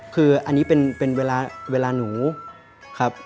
คืออันนี้เป็นเวลาหนูครับ